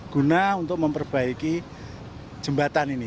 guna untuk memperbaiki jembatan ini